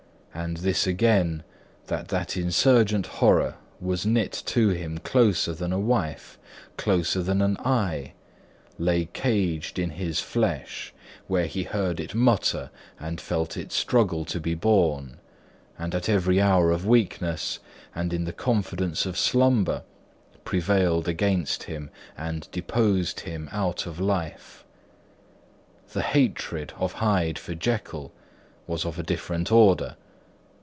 And this again, that that insurgent horror was knit to him closer than a wife, closer than an eye; lay caged in his flesh, where he heard it mutter and felt it struggle to be born; and at every hour of weakness, and in the confidence of slumber, prevailed against him, and deposed him out of life. The hatred of Hyde for Jekyll was of a different order.